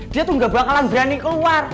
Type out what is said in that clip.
dia tuh gak bakalan berani keluar